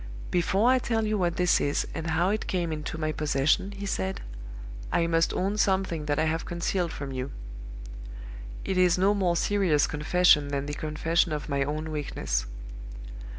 "'Before I tell you what this is, and how it came into my possession,' he said, 'I must own something that I have concealed from you. It is no more serious confession than the confession of my own weakness.